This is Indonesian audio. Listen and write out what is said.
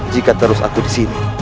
jika terus aku di sini